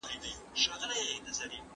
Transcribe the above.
حلال خواړه روغتیا سره څه تړاو لري؟